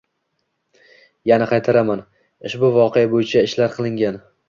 Yana qaytaraman, ushbu voqea boʻyicha ishlar qilingan